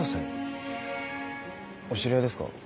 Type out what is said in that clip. お知り合いですか？